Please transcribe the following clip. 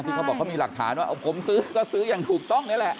เขาบอกเขามีหลักฐานว่าผมซื้อก็ซื้ออย่างถูกต้องนี่แหละ